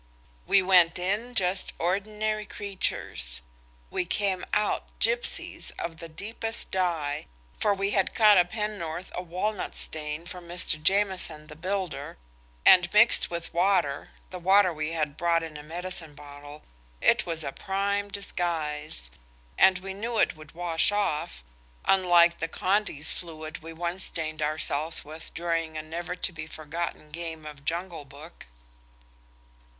We went in just ordinary creatures. We came out gipsies of the deepest dye, for we had got a pennorth of walnut stain from Mr. Jameson the builder, and mixed with water–the water we had brought in a medicine bottle–it was a prime disguise. And we knew it would wash off, unlike the Condy's fluid we once stained ourselves with during a never to be forgotten game of Jungle Book.